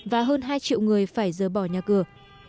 và hơn hai triệu người phải rời bỏ nhà cửa